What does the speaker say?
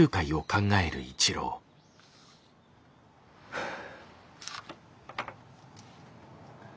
はあ。